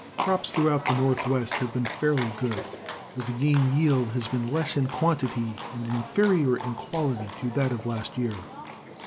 Crops throughout the northwest have been fairly good, though the gain yield has been less in quantity and inferior in quality to that of last year.